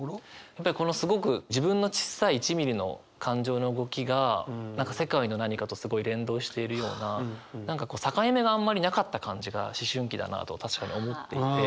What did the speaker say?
やっぱりこのすごく自分のちっさい１ミリの感情の動きが何か世界の何かとすごい連動しているような何かこう境目があんまりなかった感じが思春期だなと確かに思っていて。